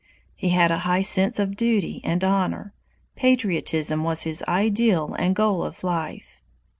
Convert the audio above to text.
He had a high sense of duty and honor. Patriotism was his ideal and goal of life.